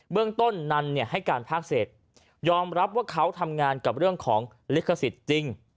เรื่องต้นนันให้การภาคเศษยอมรับว่าเขาทำงานกับเรื่องของลิขสิทธิ์จริง